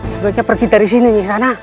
sebaiknya pergi dari sini di sana